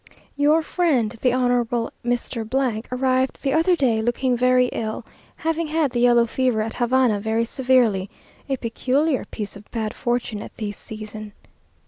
Your friend, the Honourable Mr. , arrived the other day, looking very ill, having had the yellow fever at Havana very severely, a peculiar piece of bad fortune at this season.